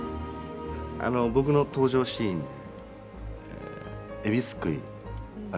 あの僕の登場シーンでえびすくいあれ